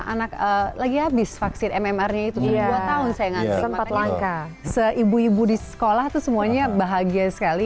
anak lagi habis vaksin mmr nya itu dua tahun saya ngasih sempat langka se ibu ibu di sekolah itu semuanya bahagia sekali